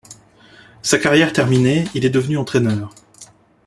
Sa carrière terminée, il est devenu entraîneur.